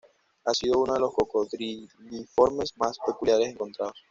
Ha sido unos de los crocodiliformes más peculiares encontrados.